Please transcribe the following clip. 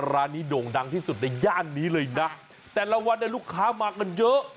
ร้านนี้โด่งดังที่สุดในย่านนี้เลยนะแต่ละวันเนี่ยลูกค้ามากันเยอะ